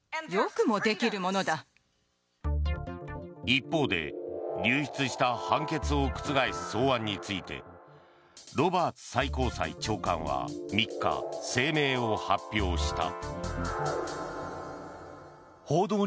一方で、流出した判決を覆す草案についてロバーツ最高裁長官は３日声明を発表した。